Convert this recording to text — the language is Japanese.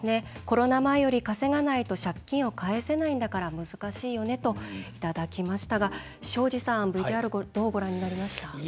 「コロナ前より稼がないと借金を返せないんだから難しいよね」といただきましたが庄司さん、ＶＴＲどうご覧になりました？